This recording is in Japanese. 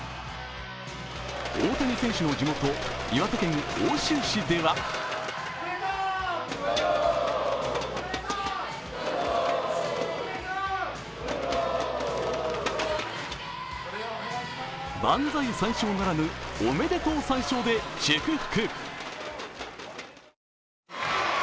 大谷選手の地元・岩手県奥州市では万歳三唱ならぬ、おめでとう三唱で祝福。